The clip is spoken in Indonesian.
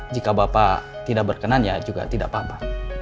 jika bapak tidak berkenan ya juga tidak apa apa